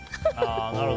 なるほど。